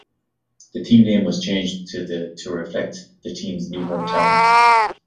The team name was changed to the to reflect the team's new home town.